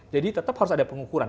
jadi tetap harus ada pengukuran